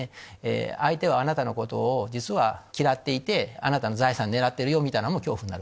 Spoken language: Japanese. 相手はあなたのことを実は嫌っていてあなたの財産狙ってるよみたいなのも恐怖になる。